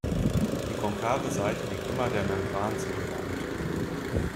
Die konkave Seite liegt immer der Membran zugewandt.